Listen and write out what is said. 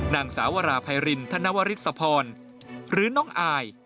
นางสาวราไพรินธนวริศพรหรือน้องอาย